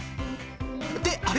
って、あれ？